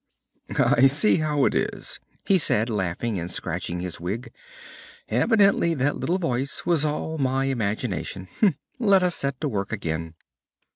"I see how it is," he said, laughing and scratching his wig, "evidently that little voice was all my imagination. Let us set to work again."